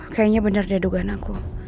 kayaknya benar dia dugaan aku